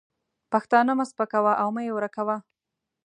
پښتانه مه سپکوه او مه یې ورکوه.